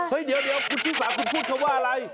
เฮ้ยเดี๋ยวคุณชิสาคุณพูดคำว่าอะไร